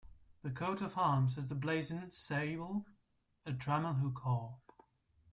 The coat of arms has the blazon "sable, a trammel hook or".